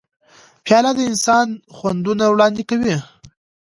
پیاله د انسان خوندونه وړاندې کوي.